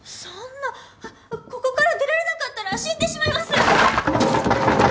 そんなここから出られなかったら死んでしまいます！